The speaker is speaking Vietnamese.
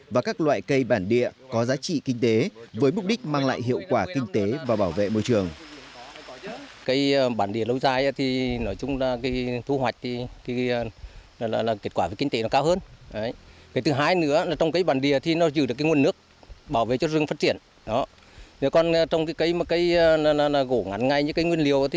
và các loại cây bản địa có giá trị kinh tế với mục đích mang lại hiệu quả kinh tế và bảo vệ môi trường